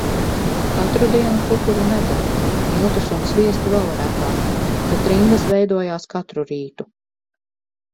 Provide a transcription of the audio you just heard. Katru dienu cukuru nedeva. Miltus un sviestu vēl retāk. Bet rindas veidojās katru rītu.